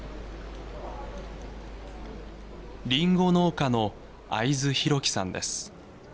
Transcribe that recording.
りんご農家の会津宏樹さんです。